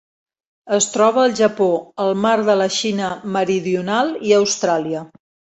Es troba al Japó, el mar de la Xina Meridional i Austràlia.